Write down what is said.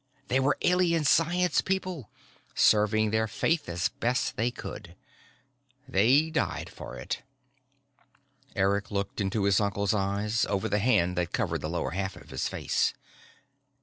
They were Alien science people, serving their faith as best they could. They died for it." Eric looked into his uncle's eyes over the hand that covered the lower half of his face.